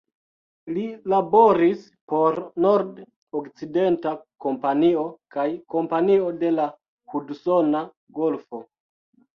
Li laboris por Nord-Okcidenta Kompanio kaj Kompanio de la Hudsona Golfo.